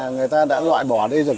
người ta đã loại bỏ đi được